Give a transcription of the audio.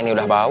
ini jatah kamu